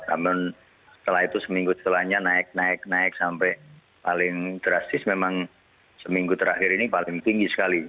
namun setelah itu seminggu setelahnya naik naik naik sampai paling drastis memang seminggu terakhir ini paling tinggi sekali